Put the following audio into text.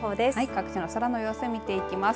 各地の空の様子を見ていきます。